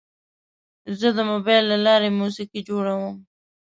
زه د موبایل له لارې موسیقي جوړوم.